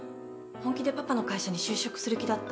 本気でパパの会社に就職する気だった。